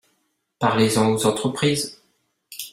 Parlez-en aux entreprises